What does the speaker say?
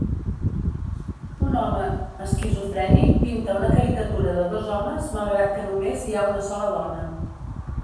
Un home esquizofrènic pinta una caricatura de dos homes malgrat que només hi ha una sola dona.